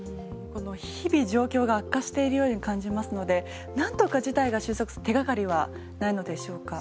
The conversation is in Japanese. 日々状況が悪化しているように感じますので何とか事態が収束する手がかりはないのでしょうか？